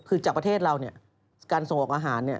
คือจากประเทศเราการส่งออกอาหาร